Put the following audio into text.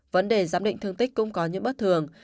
vấn đề giám định thương tích cũng có những bất thường